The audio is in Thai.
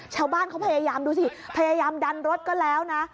ชาวบ้านเขาพยายามดูสิพยายามดันรถก็แล้วนะ